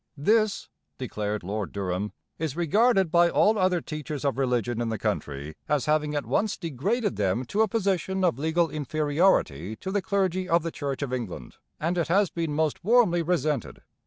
'This,' declared Lord Durham, 'is regarded by all other teachers of religion in the country as having at once degraded them to a position of legal inferiority to the clergy of the Church of England; and it has been most warmly resented.